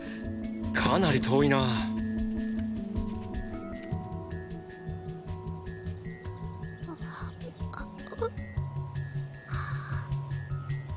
かなり遠いな。ッ！